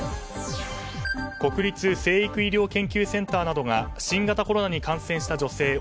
国立成育医療研究センターなどが新型コロナに感染した女性